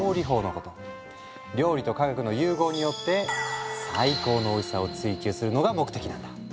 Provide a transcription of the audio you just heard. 料理と科学の融合によって最高のおいしさを追求するのが目的なんだ。